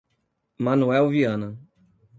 Manoel Viana